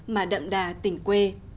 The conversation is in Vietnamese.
mà đậm đà tỉnh quê